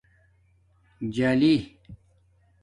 جلی